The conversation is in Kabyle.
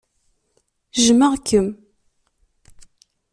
Jmeɣ-kem.